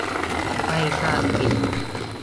ไม่ทราบจริง